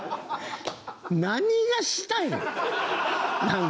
何がしたいん？